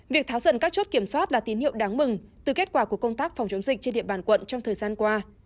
việc tháo rần các chốt kiểm soát là tín hiệu đáng mừng từ kết quả của công tác phòng chống dịch trên điện bản quận trong thời gian qua